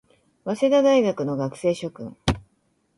早稲田大学の学生諸君